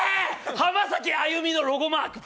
浜崎あゆみのロゴマーク。